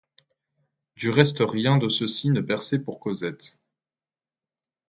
Du reste rien de ceci ne perçait pour Cosette.